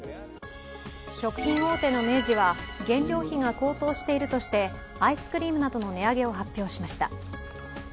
食品大手の明治は原料費が高騰しているとして、アイスクリームなどの値上げを発表しました。